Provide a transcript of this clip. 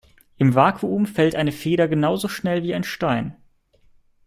Im Vakuum fällt eine Feder genauso schnell wie ein Stein.